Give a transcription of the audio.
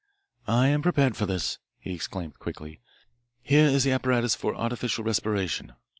"I am prepared for this," he exclaimed quickly. "Here is the apparatus for artificial respiration.